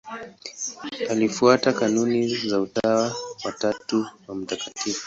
Alifuata kanuni za Utawa wa Tatu wa Mt.